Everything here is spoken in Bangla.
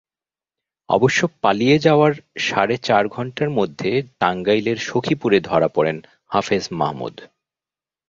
অবশ্য পালিয়ে যাওয়ার সাড়ে চার ঘণ্টার মধ্যে টাঙ্গাইলের সখীপুরে ধরা পড়েন হাফেজ মাহমুদ।